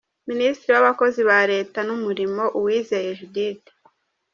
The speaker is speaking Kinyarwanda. Minisitiri w’Abakozi ba Leta n’Umurimo: Uwizeye Judith.